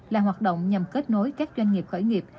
là hoạt động nhằm kết nối các doanh nghiệp khởi nghiệp